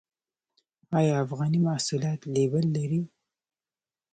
آیا افغاني محصولات لیبل لري؟